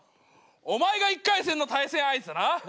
お前が１回戦の対戦相手だな。